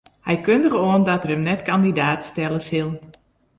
Hy kundige oan dat er him net kandidaat stelle sil.